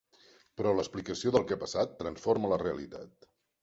Però l'explicació del que ha passat transforma la realitat.